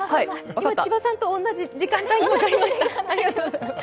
今、千葉さんと同じ時間帯に分かりました。